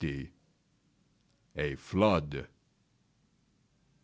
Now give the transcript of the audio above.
A FLOOD.